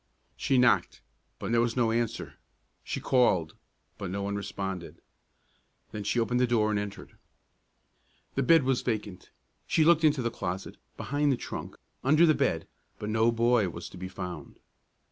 She knocked, but there was no answer. She called, but no one responded. Then she opened the door and entered. The bed was vacant. She looked into the closet, behind the trunk, under the bed; but no boy was to be found.